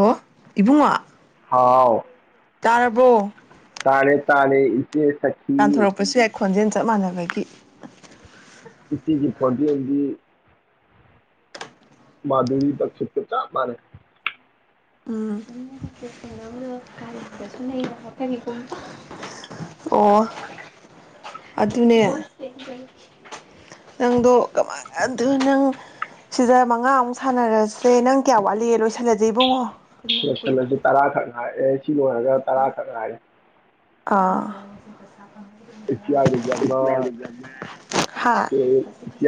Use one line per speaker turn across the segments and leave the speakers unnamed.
ꯑꯣ ꯏꯕꯨꯡꯉꯣ
ꯍꯥꯎ
ꯇꯥꯔꯕꯣ
ꯇꯥꯔꯦ ꯇꯥꯔꯦ ꯏꯆꯦ ꯁꯈꯤ
ꯇꯥꯟꯊꯣꯔꯛꯄꯁꯨ ꯌꯥꯏ ꯈꯣꯟꯖꯦꯜꯗꯣ ꯆꯞ ꯃꯥꯟꯅꯕꯒꯤ
[inaudible] ꯍꯗꯤꯗꯤ ꯃꯥꯗꯨꯔꯤꯗꯁꯤꯀꯤ ꯆꯞ ꯃꯥꯅꯩ ꯎꯝ
ꯑꯣ ꯑꯗꯨꯅꯦ ꯅꯪꯗꯣ ꯀꯃꯥꯏ ꯅꯪ ꯁꯤꯗ ꯃꯉꯥꯃꯨꯛ ꯁꯥꯟꯅꯔꯁꯦ ꯅꯪ ꯀꯌꯥ ꯋꯥꯠꯂꯤꯦ ꯂꯣꯏꯁꯤꯜꯂꯁꯦ ꯏꯕꯨꯡꯉꯣ
ꯂꯣꯏꯁꯜꯂꯁꯦ ꯇꯔꯥ ꯈꯛꯉꯥꯏꯔꯦ ꯁꯤ ꯂꯣꯏꯔꯒ ꯇꯔꯥ ꯈꯛ ꯉꯥꯏꯔꯦ
ꯑꯥ
ꯑꯩꯆꯤ ꯑꯥꯏꯗꯒ
ꯍꯥ
ꯑꯃꯆꯤ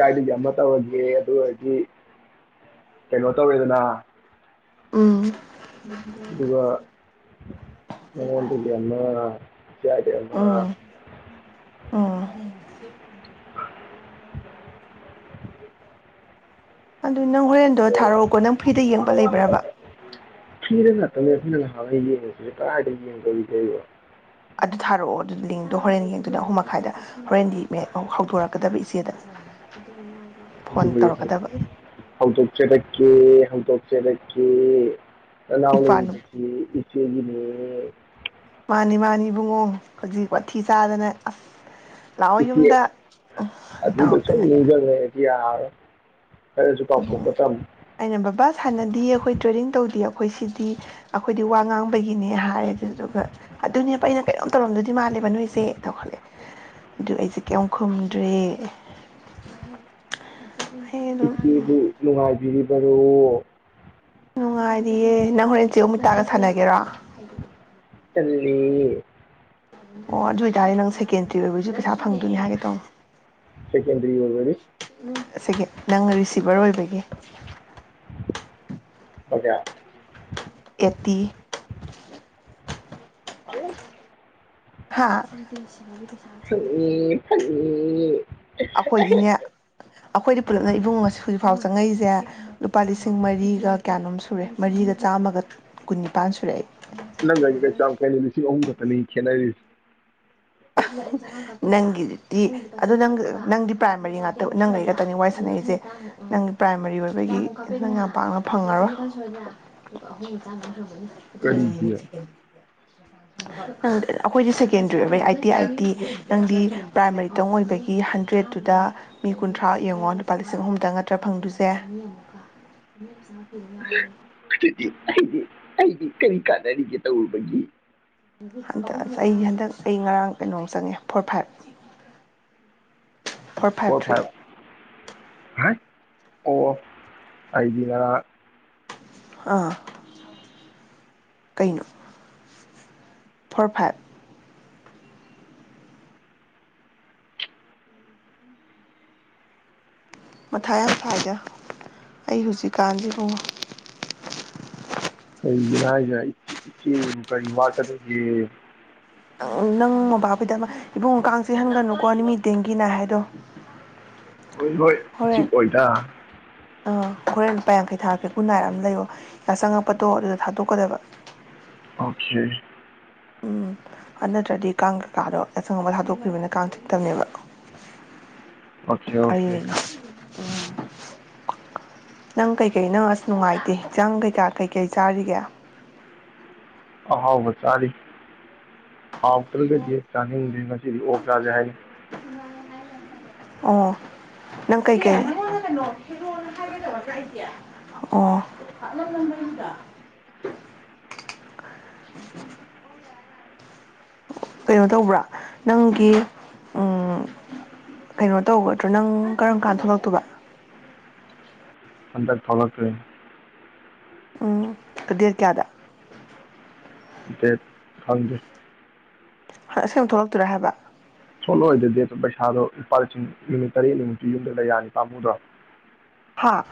ꯑꯥꯏꯗ ꯑꯃ ꯇꯧꯔꯒꯦ ꯑꯗꯨ ꯑꯣꯏꯔꯗꯤ ꯀꯩꯅꯣ ꯇꯧꯋꯦꯗꯅ
ꯎꯝ
ꯑꯗꯨꯒ ꯃꯉꯣꯟꯗꯩ ꯑꯃ ꯏꯆꯦꯌꯥꯏꯗ ꯑꯃ
ꯑꯣ ꯑꯗꯨ ꯅꯪ ꯍꯣꯔꯦꯟ ꯑꯗꯣ ꯊꯥꯔꯛꯑꯣꯀꯣ ꯅꯪ ꯐ꯭ꯔꯤꯗ ꯌꯦꯡꯕ ꯂꯩꯕ꯭ꯔꯕ
ꯁꯤ ꯀ ꯀ ꯀꯕ [inaudible]
ꯑꯗꯨ ꯊꯥꯔꯛꯑꯣ ꯑꯗꯨ ꯂꯤꯡꯗꯣ ꯍꯣꯔꯦꯟ ꯌꯦꯡꯗꯨꯅ ꯑꯍꯨꯝ ꯃꯈꯥꯏꯗ ꯍꯣꯔꯦꯟꯗꯤ ꯍꯧꯗꯣꯔꯛꯀꯗꯕ ꯏꯆꯦꯗꯅ
ꯍꯧꯗꯣꯛ ꯆꯔꯛꯀꯦ ꯍꯧꯗꯣꯛ ꯆꯔꯛꯀꯦ ꯂꯅꯥꯎ
ꯏꯄ꯭ꯋꯥ ꯅꯨ
ꯂꯩꯔꯤꯕꯁꯦ ꯏꯆꯦꯒꯤꯅꯦ
ꯃꯥꯅꯤ ꯃꯥꯅꯤꯕꯨꯡꯉꯣ ꯍꯧꯖꯤꯛ ꯋꯥꯊꯤ ꯆꯥꯗꯅ ꯑꯁ ꯂꯥꯛꯑꯣ
ꯏ
ꯌꯨꯝꯗ ꯇꯧꯔꯛꯇꯅ
ꯑꯗꯨꯁꯨꯗꯤꯔ
ꯑꯩꯅ ꯕꯕꯥ ꯁꯥꯟꯅꯗꯤ ꯑꯩꯈꯣꯏ ꯇ꯭ꯔꯦꯗꯤꯡ ꯇꯧꯗꯤꯌꯦ ꯑꯩꯈꯣꯏ ꯁꯤꯗꯤ ꯑꯩꯈꯣꯏꯗꯤ ꯋꯥ ꯉꯥꯡꯕꯒꯤꯅꯦ ꯍꯥꯏ ꯑꯗꯨꯗꯨꯒ ꯑꯗꯨꯅꯦꯕ ꯑꯩꯅ ꯀꯩꯅꯣꯝ ꯇꯧꯔꯝꯗꯨꯗꯤ ꯃꯥꯜꯂꯦꯕ ꯅꯣꯏꯁꯦ ꯇꯧꯈꯠꯂꯦ ꯑꯗꯨ ꯑꯩꯁꯦ ꯀꯩꯝ ꯈꯨꯝꯗ꯭ꯔꯦ ꯑꯗꯨꯝ
ꯏꯆꯦꯕꯨ ꯅꯨꯡꯉꯥꯏꯕꯤꯔꯤꯕꯣ ꯕꯣ
ꯅꯨꯡꯉꯥꯏꯔꯤꯌꯦꯦ ꯅꯪ ꯍꯣꯔꯦꯟ ꯆꯦ ꯑꯃꯨꯠꯇꯥꯒ ꯁꯥꯟꯅꯒꯦꯔꯣ
ꯇꯜꯂꯦ
ꯑꯣ ꯑꯗꯨ ꯑꯣꯏꯇꯥꯔꯗꯤ ꯅꯪ ꯁꯤ ꯀꯦꯟ꯭ꯔꯤ ꯑꯣꯏ ꯄ
ꯁꯦꯀꯦꯟꯗꯔꯤ ꯑꯣꯏꯗꯤ
ꯑꯁꯤꯒꯤ ꯅꯪꯅ ꯔꯤꯁꯤꯚꯔ ꯑꯣꯏꯕꯒꯤ
ꯑꯣ
ꯑꯦꯠꯇꯤ
ꯍꯂꯣ
ꯍꯥꯥ
ꯎꯝ
ꯑꯩꯈꯣꯏꯗꯤꯅꯦ ꯑꯩꯈꯣꯏꯗꯤ ꯄꯨꯂꯞꯅ ꯏꯕꯨꯡꯉ ꯑꯁꯤ ꯍꯧꯖꯤꯛꯐꯥꯎ ꯆꯪꯉꯩꯁꯦ ꯂꯨꯄꯥ ꯂꯤꯁꯤꯡ ꯃꯔꯤꯒ ꯀꯌꯥꯅꯣꯝ ꯁꯨꯔꯦ ꯃꯔꯤꯒ ꯆꯥꯝꯃꯒ ꯀꯨꯟꯅꯤꯄꯥꯟ ꯁꯨꯔꯦ ꯑꯩ
ꯅꯪꯒꯥꯥꯏ ꯀꯩ ꯆꯥꯎ ꯀꯩꯅ ꯁꯤ ꯑꯍꯨꯝ ꯈꯛꯇꯅꯤ ꯈꯦꯅꯔꯤꯁꯤ
ꯅꯪꯒꯤꯗꯤ ꯑꯗꯨꯗ ꯅꯪ ꯅꯪꯗꯤ ꯄ꯭ꯔꯥꯏꯃꯥꯔꯤ ꯉꯥꯛꯇ ꯅꯪꯒꯩ ꯈꯛꯇꯅꯤ ꯋꯥꯏ ꯁꯥꯟꯅ ꯑꯩꯁꯦ ꯅꯪ ꯄ꯭ꯔꯥꯏꯃꯥꯔꯤ ꯑꯣꯏꯕꯒꯤ ꯅꯪ ꯌꯥꯝ ꯄꯥꯛꯅ ꯐꯪꯉꯔꯣꯏ
ꯀꯔꯤꯒꯤ
ꯂꯩꯤ ꯀ ꯅꯪ ꯑꯩꯈꯣꯏꯗꯤ ꯁꯦꯀꯦꯟꯗ꯭ꯔꯤ ꯑꯣꯏꯕ ꯑꯩꯠ ꯤ ꯑꯥꯏꯠꯇꯤ ꯅꯪꯗꯤ ꯄ꯭ꯔꯥꯏꯃꯥꯔꯤꯇꯪ ꯑꯣꯏꯕꯒꯤ ꯍꯟꯗ꯭ꯔꯦꯗꯠꯇꯨꯗ ꯃꯤ ꯀꯨꯟꯊ꯭ꯔꯥ ꯌꯦꯡꯉꯣ ꯂꯨꯄꯥ ꯂꯤꯁꯤꯡ ꯑꯍꯨꯝꯗꯪ ꯅꯠꯇ꯭ꯔ ꯐꯪꯗꯣꯏꯁꯦ
ꯑꯗꯨꯗꯤ ꯑꯩꯗꯤ ꯑꯩꯗꯤ ꯀꯔꯤ ꯀꯥꯟꯅꯔꯤꯒꯦ ꯇꯧꯔꯨꯕꯒꯤ
ꯟ ꯑꯩ ꯍꯟꯗꯛ ꯑꯩ ꯉꯔꯥꯡ ꯀꯩꯅꯣꯝ ꯆꯪꯉꯦ four five four five three
ꯑꯣ ꯑꯩꯗꯤ ꯃ
ꯑꯥ ꯀꯩꯅꯣ ꯐꯣꯔ ꯐꯥꯏꯚ ꯃꯊꯥ ꯌꯥꯝ ꯁꯥꯥꯏꯖ ꯑꯩ ꯍꯧꯖꯤꯛꯀꯥꯟꯁꯤ ꯍꯨꯡꯉꯣ
ꯀꯩꯖ ꯏ ꯏꯆ ꯀꯩ ꯋꯥꯗꯒ
ꯅꯪ ꯃꯕꯥꯈꯣꯏꯗ ꯏꯕꯨꯡꯉ ꯀꯥꯡ ꯆꯦ ꯍꯟꯒꯅꯨꯀꯣ ꯅꯨꯃꯤꯠ ꯇꯡꯒꯤꯅ ꯍꯥꯏꯗꯣ
ꯍꯣꯏ ꯍꯣꯏ ꯆꯤ
ꯍꯣꯔꯦꯟ
ꯑꯣꯏꯣꯏꯇꯥ
ꯑꯥ ꯍꯣꯔꯦꯟ ꯂꯨꯄꯥ ꯌꯥꯡꯈꯩ ꯊꯥꯛ꯭ꯔꯦ ꯀꯨꯟ ꯅꯥꯏꯔ ꯑꯃ ꯂꯩꯕꯣ ꯌꯥ ꯆꯪꯉꯛꯄꯗꯣ ꯑꯗꯨꯗ ꯊꯥꯗꯣꯛꯀꯗꯕ
ꯑꯣꯦ
ꯑꯗꯨ ꯅꯠꯇ꯭ꯔꯗꯤ ꯀꯥꯡ ꯀꯀꯥꯗꯣ ꯑꯁꯪ ꯑꯃ ꯊꯥꯗꯣꯛꯈꯤꯕꯅ ꯀꯥꯡ ꯊꯤꯛꯇꯕꯅꯦꯕ
ꯑꯣꯀꯦ ꯑꯣꯀꯦ
ꯑꯅ ꯎꯝ ꯅꯪ ꯀꯩꯀꯩ ꯅꯪ ꯑꯁ ꯅꯨꯡꯉꯥꯏꯇꯦ ꯍꯛꯆꯥꯡ ꯀꯩꯀꯥ ꯀꯩꯀꯩ ꯆꯥꯔꯤꯒꯦ
ꯑꯍꯣ ꯋꯥ ꯆꯔꯤ ꯍꯥꯎꯇꯒ ꯆꯅꯤꯁꯤꯗꯤ ꯑꯣꯗ ꯍꯥꯏ
ꯑꯣ ꯅꯪ ꯀꯩꯀꯩ ꯑꯣ ꯀꯩꯅꯣ ꯇꯧꯕ꯭ꯔꯥ ꯅꯪꯒꯤ ꯎ ꯀꯩꯅꯣ ꯇꯧꯒꯗ꯭ꯔꯥ ꯅꯪ ꯀꯔꯝ ꯀꯥꯟ ꯊꯣꯛꯂꯛꯇꯕ
ꯀꯟꯗ ꯇꯂꯈꯦ
ꯎꯝ ꯗꯠ ꯀꯌꯥꯗ
ꯗ ꯊꯪꯗꯦ
ꯑꯁꯦꯡꯕ ꯊꯣꯛꯂꯛꯇꯣꯏꯔꯥ ꯍꯥꯏꯕ
ꯁꯣꯂꯣꯏꯗꯗꯤ ꯑꯗꯨ ꯄꯩꯁꯥꯗꯣ ꯂꯨꯄꯥ ꯂꯤꯁꯤꯡ ꯃꯤꯅꯤꯠ ꯇꯔꯦꯠꯅꯤ ꯅꯨꯃꯤꯠꯇꯨ ꯌꯨꯝꯗ꯭ꯔꯒ ꯌꯥꯅꯤ ꯇꯥꯝꯃꯨꯗ꯭ꯔꯣ
ꯍꯥꯥ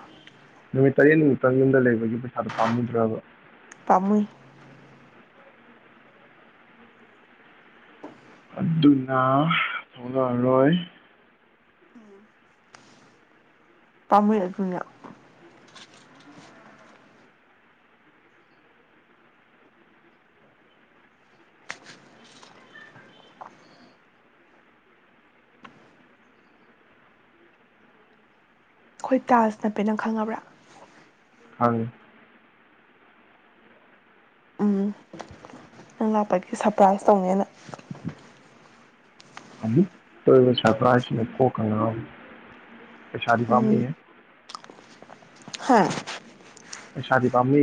ꯅꯨꯃꯤꯠ ꯇꯔꯦꯠꯅꯤꯃꯤꯛꯇꯪ ꯌꯨꯝꯗ ꯂꯩꯕꯒꯤ ꯔ ꯄꯝꯕ
ꯄꯥꯝꯃꯨꯏ
ꯑꯗꯨꯅ ꯊꯣꯛꯂꯛꯔꯣꯏ
ꯎꯝ ꯇꯥꯃꯨ ꯌꯥ ꯇꯨꯡ ꯑꯩꯈꯣꯏ ꯇꯥꯖ ꯅꯞꯄꯦ ꯅꯪ ꯈꯪꯉꯕ꯭ꯔꯥ
ꯑꯗꯨ
ꯎꯝ ꯅꯪ ꯂꯥꯛꯄꯒꯤ ꯁꯔꯄ꯭ꯔꯥꯏꯖ ꯇꯧꯅꯦꯅ
ꯇꯣꯏꯕ ꯆ꯭ꯔꯥ ꯍꯥꯏ ꯄꯣꯀ ꯉ ꯀꯩꯁꯥꯔꯤ ꯐꯝꯃꯤ
ꯍꯥꯥ
ꯁꯗꯤ ꯄꯝꯃꯤ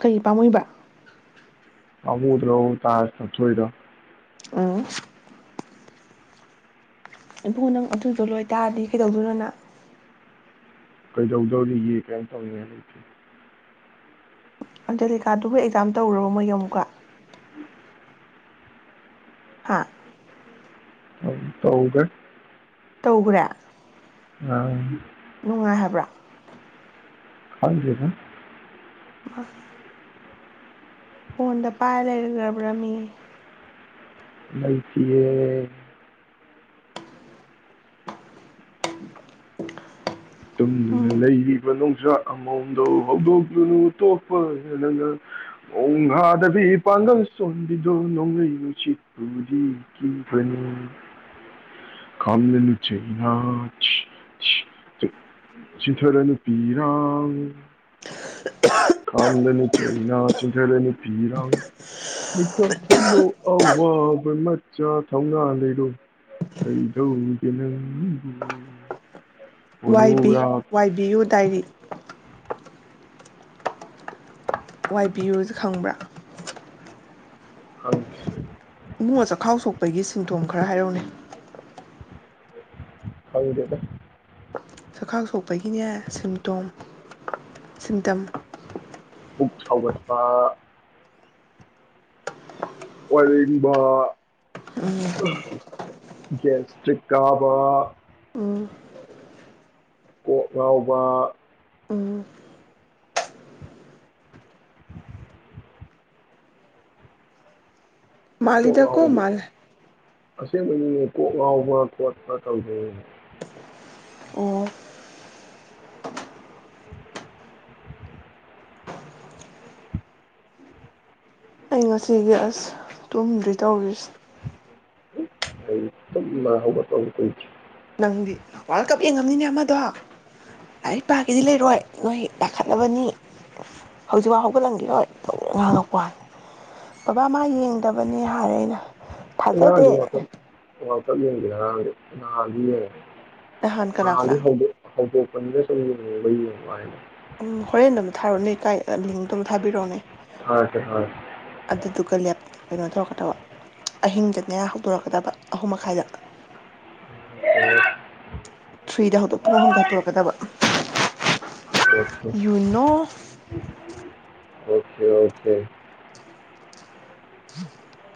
ꯀꯔꯤ ꯄꯥꯝꯃꯣꯏꯕ
ꯑꯨꯗ ꯑ ꯇꯥ ꯊꯣꯛꯣꯏꯗ
ꯎꯝ ꯏꯕꯨꯡ ꯅꯪ ꯑꯗꯨꯗꯣ ꯂꯣꯏꯇꯥꯔꯗꯤ ꯀꯩꯗꯧꯗꯣꯏꯔꯣꯅ
ꯀꯩꯗꯧꯗꯧ ꯂꯩ ꯀ ꯇꯧ ꯂꯩ
ꯑꯟꯖꯦꯂꯤꯀꯥꯗꯨꯕꯨꯣꯏ ꯑꯦꯛꯖꯥꯝ ꯇꯧꯔꯔꯕ ꯃꯣꯏꯒꯤ ꯑꯃꯨꯛꯀ
ꯎꯝ
ꯍꯥꯥ
ꯑ ꯇꯒ
ꯇꯧꯈ꯭ꯔꯦ
ꯑ ꯈꯪꯗꯦꯗꯥ
ꯋꯥ ꯐꯣꯟꯗ ꯄꯥꯏꯔ ꯂꯩꯈ꯭ꯔꯕ꯭ꯔꯃꯤ
ꯂꯩꯇꯤꯌꯦ
ꯎꯝ
ꯂꯩꯔꯤꯕ ꯍꯧꯣꯛꯄꯕꯤ ꯄꯥꯡꯒꯜꯡꯂꯨ ꯁꯤꯤꯊꯔ ꯅꯨ ꯄꯤꯔꯥꯎ ꯈꯥꯝꯂꯅꯤ ꯆꯩꯅꯥ ꯆꯤꯟꯊꯂꯅꯤ ꯐꯤꯔꯥꯡ ꯃꯤꯀ ꯊꯣꯛꯂꯣ ꯑꯋꯥꯕ ꯃꯆꯥ ꯊꯧꯅꯥ ꯂꯩꯔꯣ ꯀꯩꯗꯧꯒꯦ ꯅꯪꯕꯨ
ꯋꯥꯏꯕꯤ
ꯃꯣꯅꯣꯒ꯭ꯔꯥꯐ
ꯋꯥꯏꯕꯤꯌꯨ ꯗꯥꯏꯔꯤ ꯋꯥꯏ ꯄꯕꯤꯌꯨꯁꯦ ꯈꯪꯕ꯭ꯔꯥ
ꯍ
ꯆꯤꯡꯊꯣꯝ ꯈꯔ ꯍꯥꯏꯔꯧꯅꯤ
ꯀꯥꯎꯗꯦꯗ
ꯁꯛꯈꯥꯡ ꯁꯣꯛ ꯑꯩꯒꯤꯅꯦ ꯁꯤꯝꯇꯣꯝ ꯁꯤꯟꯇꯝ
ꯈ ꯁꯒꯠꯄ ꯋꯥꯕ ꯦꯁꯇ꯭ꯔꯤꯛ ꯀꯥꯕ
ꯎꯝ
ꯀꯣꯛ ꯉꯥꯎꯕ
ꯎꯝ ꯃꯥꯜꯗꯀ ꯃꯥꯜ
ꯑꯁꯦꯡꯕꯅꯤꯅꯦ ꯀꯣꯛ ꯉꯥꯎꯕ꯭ꯔꯥ ꯈꯣꯠꯄ꯭ꯔ ꯇꯧꯗꯩꯅꯦ
ꯑꯣ ꯑꯩ ꯉꯁꯤ ꯒ꯭ ꯑꯁ ꯇꯨꯝꯗ꯭ꯔꯤ ꯇꯧꯔꯤꯁ
ꯃꯥ ꯍꯕꯄꯕꯨ ꯀꯁꯤ
ꯅꯪꯗꯤ ꯋꯥꯔꯜ ꯀꯞ ꯌꯦꯡꯉꯝꯅꯤꯅꯦ ꯑꯃꯗꯣ ꯂꯥꯏꯔꯤꯛ ꯄꯥꯈꯤꯗꯤ ꯂꯩꯔꯣꯏ ꯅꯣꯏ ꯂꯥꯈꯠꯂꯅꯕꯅꯤ ꯍꯧꯖꯤꯛꯐꯥꯎ ꯍꯧꯒꯠꯂꯝꯈꯤꯔꯣꯏ ꯉꯥꯡꯉꯛꯄꯅꯤ ꯕꯕꯥ ꯃꯥ ꯌꯦꯡꯗꯕꯅꯦ ꯍꯥꯏꯔꯦ ꯑꯩꯅ ꯊꯥꯖꯗꯦ
ꯌꯥꯗꯤ ꯋꯥꯀꯦ ꯋꯥ ꯀ ꯈꯔ
ꯅꯍꯥꯟ ꯀꯅꯥ
ꯍ
ꯀꯅꯥ
ꯍ ꯄꯟꯗ ꯁ ꯃꯕ ꯋꯥ ꯍꯥꯏꯅ
ꯝ ꯍꯣꯔꯦꯟꯗ ꯑꯃꯝ ꯊꯥꯔꯛꯑꯣꯅꯦꯀꯥꯏ ꯂꯤꯡꯇꯣꯝ ꯊꯥꯕꯤꯔꯛꯎꯅꯦ
ꯍꯣꯏ ꯍꯣꯏ
ꯂꯦꯞ ꯀꯩꯅꯣ ꯇꯧꯔꯛꯀꯗꯕ ꯑꯍꯤꯡꯗ ꯃꯌꯥ ꯍꯧꯗꯣꯔꯛꯀꯗꯕ ꯑꯍꯨꯝ ꯃꯈꯥꯏꯗ
ꯎꯝ
ꯊ꯭ꯔꯤꯗ ꯍꯧ ꯄꯨꯡ ꯑꯍꯨꯝꯗ ꯍꯧꯠꯇꯣꯔꯛꯀꯗꯕ ꯌꯨꯅꯣ
ꯑꯣꯀꯦ ꯑꯣꯀꯦ
[inaudible]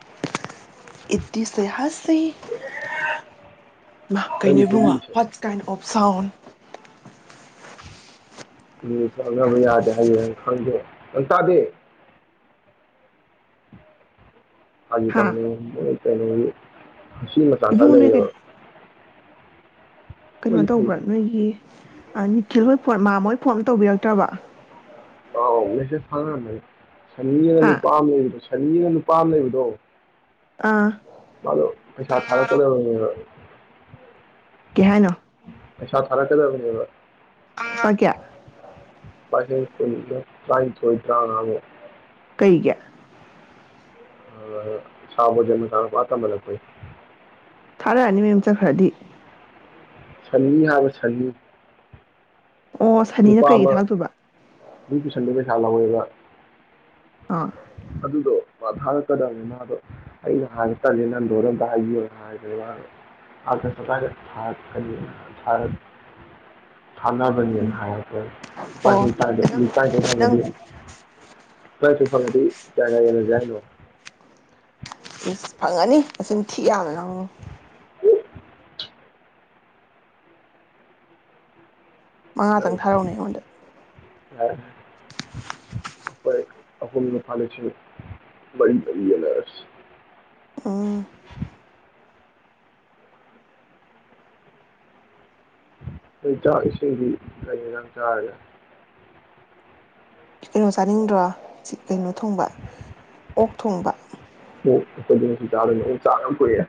ꯏ ꯁꯤꯍꯁꯤꯦ
ꯅꯪꯒꯤꯁꯦ ꯃꯤꯁꯦ
ꯀꯩꯩꯅꯩꯕꯨꯡꯉꯣꯠ ꯀꯥꯏꯟ ꯑꯣꯐ ꯁꯥꯎꯟ
ꯎꯝ ꯆꯕ ꯌꯥꯗꯦ ꯍꯥꯏ ꯈꯪꯗꯦ ꯍ ꯇꯗꯦ ꯍꯥꯏꯖꯤ ꯇ
ꯍꯥ
ꯆꯩꯅ ꯑꯁꯤ ꯃꯆꯥꯥ ꯈꯥ
ꯏꯕꯨꯡꯉꯣ ꯅꯣꯏ
ꯂꯩꯌꯦꯕ
ꯀꯩꯅꯣ ꯀꯩꯅꯣ
ꯂꯣꯏ
ꯇꯧꯕ꯭ꯔꯥ
ꯐꯩꯗ
ꯅꯣꯏꯒꯤ ꯅꯤꯜ ꯃꯥꯝꯃꯥꯃꯣꯏ ꯐꯣꯟꯝ ꯇꯧꯕꯤꯔꯛꯇ꯭ꯔꯕ
ꯑꯥꯎ ꯑꯣꯁꯦ ꯊꯉ ꯁꯅꯤꯅ
ꯍꯥ
ꯅꯨꯄꯥꯝ ꯂꯩꯕꯗꯣ ꯁꯅꯤꯅ ꯅꯨꯄꯥ ꯑꯃ ꯂꯩꯕꯗꯣ
ꯑꯥ
ꯂꯣ ꯄꯩꯁ ꯊꯔꯀꯗꯕꯅꯦꯕ
ꯀꯩ ꯍꯥꯏꯅꯣ
ꯄꯩꯁꯥ ꯊꯥꯔꯛꯀꯗꯕꯅꯦꯕꯥ
ꯑꯀꯌꯥ
[unintelligible] ꯇꯔꯥꯏꯊꯣꯏ ꯇꯔ꯭ꯉꯥ ꯃꯨꯛ
ꯀꯔꯤꯒꯤ
ꯁꯕꯖꯟ ꯃꯆꯥ ꯅꯨꯄꯥ ꯇꯝꯍꯟꯂꯛꯄꯩ
ꯊꯥꯔꯛꯑꯅꯤ ꯃꯌꯨꯝ ꯆꯠꯈ꯭ꯔꯗꯤ
ꯁꯟꯅꯤ ꯍꯥꯏꯕ ꯁꯟꯅꯤ
ꯑꯣ ꯁꯅꯤꯅ
ꯅꯨꯄꯥ
ꯀꯩꯒꯤ
ꯑꯃꯥ
ꯊꯥꯔꯛꯇꯣꯏꯕ
ꯃꯤ ꯄꯨꯁꯟꯕꯩ ꯄꯩꯁꯥ ꯂꯧꯋꯦꯕ ꯍ
ꯑ
ꯑꯗꯨꯗꯣ ꯃꯥ ꯊꯥꯔꯛꯀꯗꯕꯅꯦ ꯃꯥꯗꯣ ꯑꯩꯅ ꯍꯥꯏꯒ ꯇꯒꯦ ꯅꯪꯗꯣꯔ ꯑꯝꯇ ꯍꯥꯏꯕꯤꯌꯣꯅ ꯍꯥꯏꯔꯒꯅꯤ ꯃꯥꯅꯤ
ꯎꯝ
ꯊꯥꯅꯕꯅꯦꯅ ꯍꯥꯏꯔ
ꯑꯣ ꯅꯪ ꯅꯪ
ꯆꯥꯏꯒꯦ ꯐꯗꯤ ꯐꯉꯗꯥ ꯀꯥꯌ ꯀꯥꯌ ꯌꯅꯖ ꯍꯥꯏꯅꯧ
ꯐꯪꯉꯅꯤ ꯑꯁꯤ ꯊꯤ ꯌꯥꯝ ꯅꯪ ꯃꯉꯥꯗꯪ ꯊꯥꯔꯛꯅꯦ ꯑꯩꯉꯣꯟꯗ
ꯑꯈꯅ ꯈ ꯄꯁ
ꯑꯥꯝ
ꯑꯩꯩ ꯆꯥꯛ ꯏꯁꯤꯡꯗꯤ ꯀꯩꯅ ꯌꯥꯝ ꯆꯥꯔꯦ
ꯀꯩꯅꯣ ꯆꯥꯅꯤꯡꯗ꯭ꯔꯣ ꯁꯤ ꯀꯩꯅꯣ ꯊꯣꯡꯕ ꯑꯣꯛ ꯊꯣꯡꯕ
ꯑꯣ ꯑꯩꯈꯣꯏꯗꯁꯨ ꯆꯥꯗꯅꯤꯣꯡ ꯆꯥꯛ ꯌꯥꯝ ꯀꯏꯑꯦ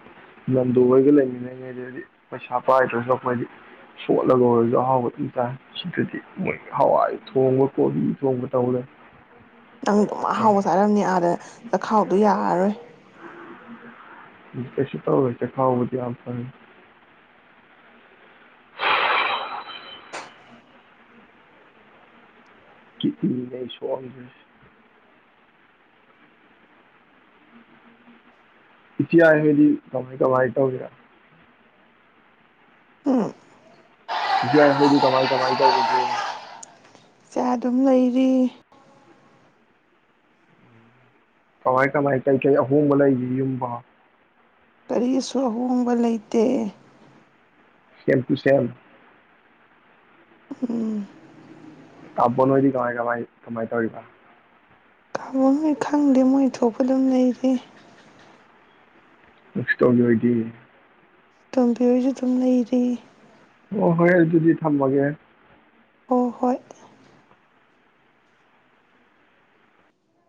ꯂꯟꯗꯔꯒ ꯂꯩꯃꯤꯟꯅꯉꯩꯗꯗꯤ ꯄꯩꯁꯥ ꯄꯥꯏꯗ꯭ꯔꯁꯨ ꯑꯩꯈꯣꯏꯗꯤ ꯁꯣꯠꯂꯒ ꯑꯣꯏꯔꯁꯨ ꯑꯍꯥꯎꯕ ꯑꯗꯨꯝ ꯇꯥꯏ ꯁꯤꯗꯗꯤ ꯃꯣꯏ ꯍꯋꯥꯏ ꯊꯣꯡꯕ ꯀꯣꯕꯤ ꯊꯣꯡꯕ ꯇꯧꯔꯦ
ꯅꯇꯪꯗꯝ ꯑꯃ ꯍꯥꯎꯕ ꯆꯥꯔꯝꯅꯤ ꯑꯥꯗ ꯆꯈꯥꯎꯗꯨꯣ ꯌꯥꯔꯔꯣꯏ
ꯀꯩꯁꯨ ꯇꯧꯁꯦ ꯈꯥꯎꯕꯨꯗꯤ ꯑꯇꯅꯤ ꯀꯤꯟꯗꯦꯌꯅꯤ ꯏꯤ ꯍꯥꯏꯗꯤ ꯀꯃꯥꯏ ꯀ ꯋꯥꯏ ꯇꯧꯒ
ꯎꯝ
ꯌꯥꯗꯤ ꯀꯃꯥꯏ ꯀꯃꯥꯏ ꯇꯧꯖꯦ
ꯀꯌꯥ ꯑꯗꯨꯝ ꯂꯩꯔꯤ
ꯀꯃꯥꯏ ꯀꯃꯥꯏ ꯀꯩꯀꯩ ꯑꯍꯣꯡꯕ ꯂꯩꯒ ꯌꯨꯝꯕ
ꯀꯔꯤꯁꯨ ꯑꯍꯣꯡꯕ ꯂꯩꯇꯦ
ꯁꯦꯝꯝ ꯇꯨ ꯁꯦꯝꯝ
ꯎꯝ
ꯇꯥꯎ ꯅꯣꯏꯗꯤ ꯀꯃꯥꯏ ꯀꯃꯥꯏ ꯀꯃꯥꯏ ꯇꯧꯔꯤꯔꯤꯕ
ꯑꯝ ꯈꯪꯗꯦ ꯃꯣꯏ ꯊꯣꯛꯄ ꯑꯗꯨꯝ ꯂꯩꯔꯤ
ꯁꯒꯤ ꯑꯣꯏꯒꯤ
ꯇꯣꯝꯕꯤ ꯍꯣꯏꯁꯨ ꯑꯗꯨꯝ ꯂꯩꯔꯤ
ꯑꯣ ꯍꯣꯏ ꯑꯗꯨ ꯑꯗꯨꯗꯤ ꯊꯝꯃꯒꯦ
ꯍꯣꯏ ꯍꯣꯏ